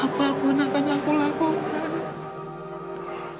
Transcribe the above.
apa pun akan aku lakukan